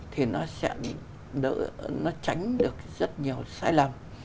thì nó sẽ tránh được rất nhiều sai lầm